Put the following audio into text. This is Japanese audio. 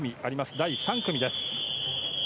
第３組です。